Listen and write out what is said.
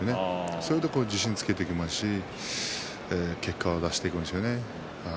それで自信もつきますし結果を出していくんですね。